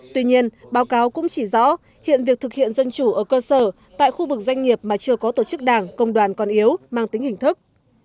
tuy nhiên báo cáo cũng chỉ rõ hiện việc thực hiện dân chủ ở cơ sở tại khu vực doanh nghiệp mà chưa có tổ chức đảng công đoàn còn yếu mang tính hình thức